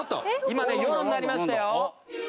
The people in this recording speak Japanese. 今ね夜になりましたよ。